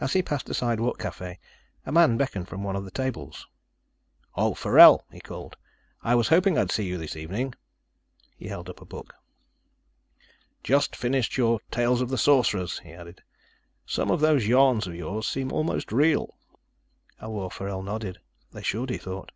As he passed a sidewalk café, a man beckoned from one of the tables. "Oh, Forell," he called. "I was hoping I'd see you this evening." He held up a book. "Just finished your 'Tales of the Sorcerers,'" he added. "Some of those yarns of yours seem almost real." Elwar Forell nodded. They should, he thought.